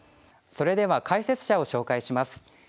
それでは解説者を紹介します。